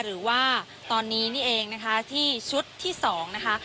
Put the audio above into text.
หรือว่าตอนนี้นี่เองนะคะที่ชุดที่๒นะคะ